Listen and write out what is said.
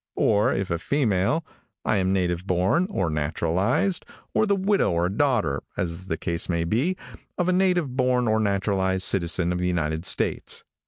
(Or, if a female) I am native born, or naturalized, or the widow or daughter (as the case may be) of a native born or naturalized citizen of the United States.